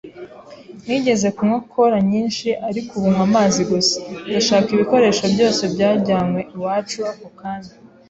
Nigeze kunywa cola nyinshi, ariko ubu nywa amazi gusa. Ndashaka ibikoresho byose byajyanwe iwacu ako kanya.